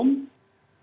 mereka tidak imun dari